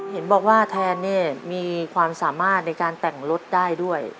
เห็นบอกว่าแทนเนี่ยมีความสามารถในการแต่งรถได้ด้วย